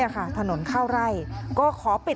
นี่ค่ะถนนเข้าไร่